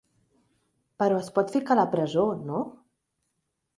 Però es pot ficar a la presó, no?